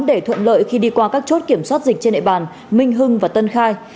để thuận lợi khi đi qua các chốt kiểm soát dịch trên địa bàn minh hưng và tân khai